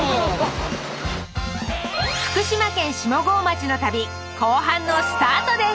福島県下郷町の旅後半のスタートです！